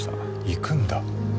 行くんだ。